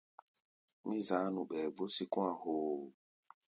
Mí za̧á̧ nu ɓɛɛ gbó sí kɔ̧́-a̧ hoo.